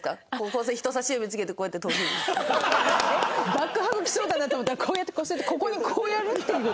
バックハグきそうだなと思ったらこうやって香水やってここにこうやるっていうの？